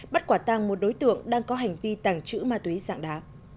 bắt quả tăng một đối tượng đang có hành vi tàng trữ ma túy dạng đá